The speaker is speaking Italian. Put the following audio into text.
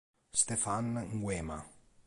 Stéphane N'Guéma